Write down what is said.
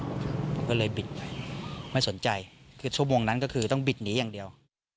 ผมก็เลยบิดไปไม่สนใจคือชั่วโมงนั้นก็คือต้องบิดหนีอย่างเดียว